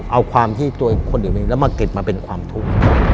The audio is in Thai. เอาความที่ตัวคนอื่นมีแล้วมาเก็บมาเป็นความทุกข์